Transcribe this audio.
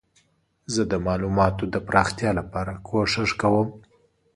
زه د معلوماتو د پراختیا لپاره کوښښ کوم.